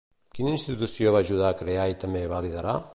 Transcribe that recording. Quina institució va ajudar a crear i també va liderar?